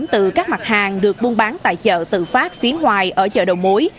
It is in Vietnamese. từ các mặt hàng được buôn bán tại chợ tự phát phía ngoài ở chợ đầu mối